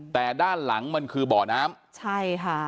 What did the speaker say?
แต่ด้านหลังมันคือบ่อน้ำใช่ค่ะ